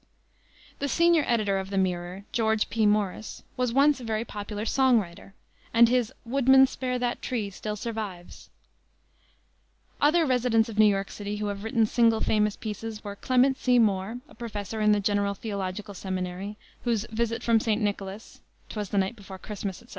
The senior editor of the Mirror, George P. Morris, was once a very popular song writer, and his Woodman, Spare that Tree, still survives. Other residents of New York City who have written single famous pieces were Clement C. Moore, a professor in the General Theological Seminary, whose Visit from St. Nicholas "'Twas the Night Before Christmas," etc.